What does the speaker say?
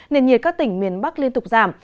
nền nhiệt các tỉnh miền bắc liên tục giảm